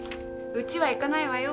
うちは行かないわよ。